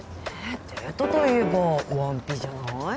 デートといえばワンピじゃない？